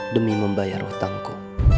demi membayar hutangku